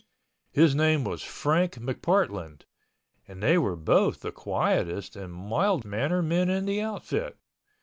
His name was Frank McPartland—and they were both the quietest and mild mannered men in the outfit.